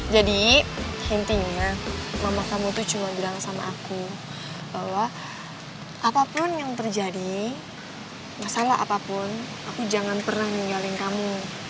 jadi intinya mama kamu tuh cuma bilang sama aku bahwa apapun yang terjadi masalah apapun aku jangan pernah ninggalin kamu